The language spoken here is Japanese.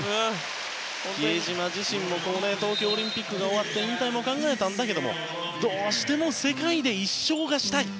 比江島自身も東京オリンピックが終わって引退も考えたんだけどどうしても世界で１勝がしたい。